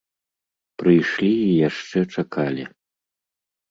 Прыйшлі і яшчэ чакалі.